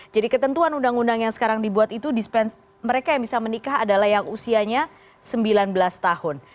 jadi ketentuan undang undang yang sekarang dibuat itu mereka yang bisa menikah adalah yang usianya sembilan belas tahun